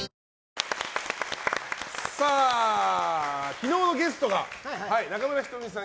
昨日のゲストが中村仁美さん